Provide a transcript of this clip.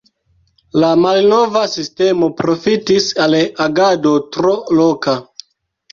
La malnova sistemo profitis al agado tro loka.